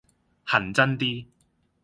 均真啲